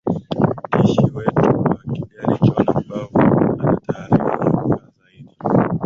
dishi wetu wa kigali jonah ubavu anataarifa zaidi